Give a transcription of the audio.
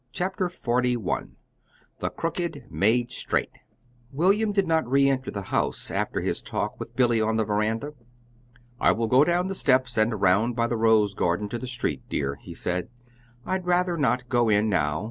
CHAPTER XLI THE CROOKED MADE STRAIGHT William did not re enter the house after his talk with Billy on the veranda. "I will go down the steps and around by the rose garden to the street, dear," he said. "I'd rather not go in now.